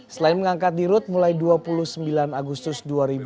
selain mengangkat di rut mulai dua puluh sembilan agustus dua ribu dua puluh